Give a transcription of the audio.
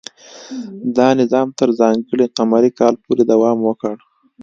دا نظام تر ځانګړي قمري کال پورې دوام وکړ.